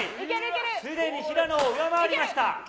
すでに平野を上回りました。